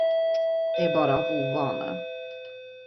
Det är bara av ovana.